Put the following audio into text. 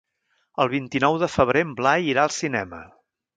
El vint-i-nou de febrer en Blai irà al cinema.